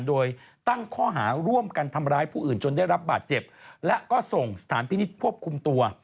โดยตั้งข้อหาร่วมกันทำร้ายผู้อื่นจนได้รับบาดเจ็บและก็ส่งสถานพินิษฐ์ควบคุมตัว